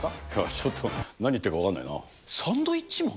ちょっと何言ってるか分かんサンドウィッチマン。